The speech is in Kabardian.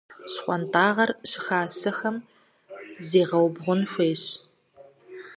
ЩхъуантӀагъэр щыхасэхэм зегъэубгъун хуейщ.